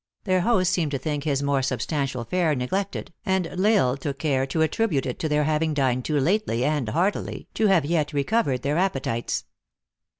Their host seemed to think his more substantial fare ne glected, and L Isle took care to attribute it to their having dined too lately and heartily, to have yet re covered their appetites.